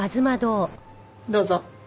どうぞ。